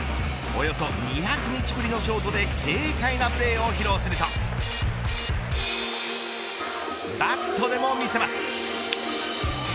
およそ２００日ぶりのショートで軽快なプレーを披露するとバットでも見せます。